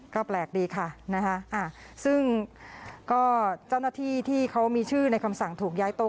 ก็แปลกดีค่ะนะคะซึ่งก็เจ้าหน้าที่ที่เขามีชื่อในคำสั่งถูกย้ายโต๊